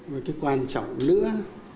một cái quan trọng nữa